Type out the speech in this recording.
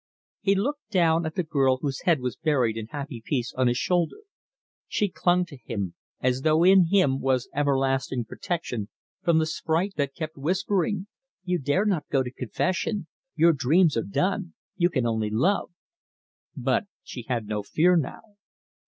He looked down at the girl whose head was buried in happy peace on his shoulder. She clung to him, as though in him was everlasting protection from the sprite that kept whispering: "You dare not go to confession your dreams are done you can only love." But she had no fear now.